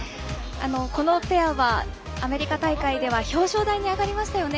このペアは、アメリカ大会では表彰台に上がりましたよね。